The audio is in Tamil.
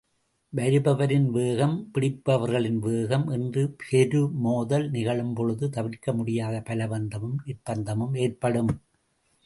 வருபவரின் வேகம், பிடிப்பவர்களின் வேகம் என்று பெரு மோதல் நிகழும்பொழுது, தவிர்க்க முடியாத பலவந்தமும் நிர்ப்பந்தமும் ஏற்படும்.